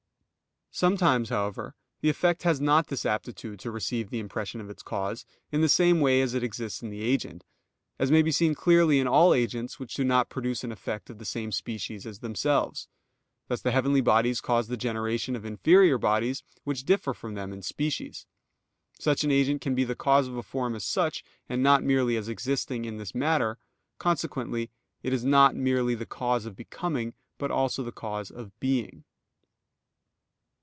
Sometimes, however, the effect has not this aptitude to receive the impression of its cause, in the same way as it exists in the agent: as may be seen clearly in all agents which do not produce an effect of the same species as themselves: thus the heavenly bodies cause the generation of inferior bodies which differ from them in species. Such an agent can be the cause of a form as such, and not merely as existing in this matter, consequently it is not merely the cause of becoming but also the cause of _being.